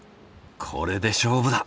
これで勝負だ！